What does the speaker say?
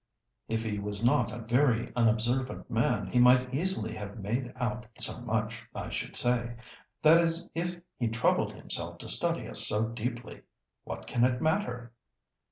"If he was not a very unobservant man he might easily have made out so much, I should say; that is if he troubled himself to study us so deeply. What can it matter?"